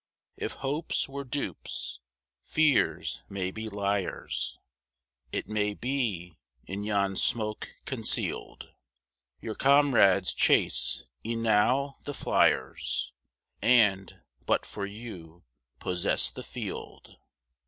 If hopes were dupes, fears may be liars; It may be, in yon smoke conceal'd, Your comrades chase e'en now the fliers, And, but for you, possess the field.